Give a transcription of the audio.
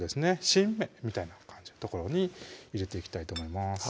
新芽みたいな感じの所に入れていきたいと思います